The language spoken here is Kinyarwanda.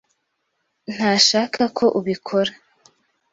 ntashaka ko ubikora.